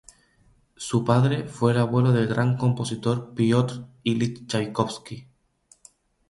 Su padre fue el abuelo del gran compositor Piotr Ilich Chaikovski.